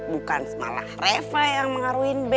bukan malah reva yang mengaruhin b